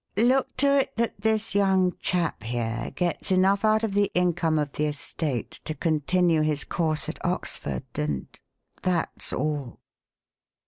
Look to it that this young chap here gets enough out of the income of the estate to continue his course at Oxford and that's all."